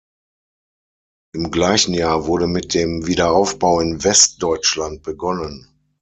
Im gleichen Jahr wurde mit dem Wiederaufbau in Westdeutschland begonnen.